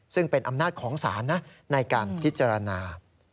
ซึ่งเป็นอำนาจของศาลนะในการพิจารณา